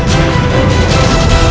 dan bersikaplah tenang